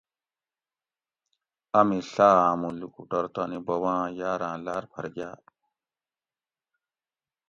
امی ڷا آۤمو لوکوٹور تانی بوباں یاراۤں لاۤر پھر گاۤ